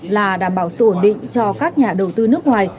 là đảm bảo sự ổn định cho các nhà đầu tư nước ngoài